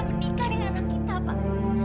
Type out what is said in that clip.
menikah dengan anak kita pak